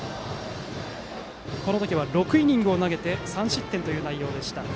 この時は６イニングを投げて３失点という内容でした。